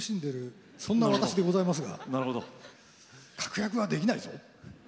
そんな私でございますが確約はできないぞ。